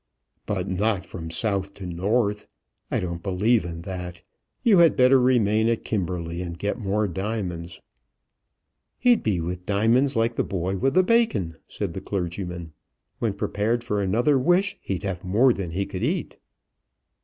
"But not from south to north. I don't believe in that. You had better remain at Kimberley and get more diamonds." "He'd be with diamonds like the boy with the bacon," said the clergyman; "when prepared for another wish, he'd have more than he could eat."